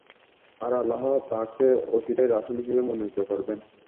আর আল্লাহ তাঁকে অচিরেই রাসূল হিসেবে মনোনীত করবেন।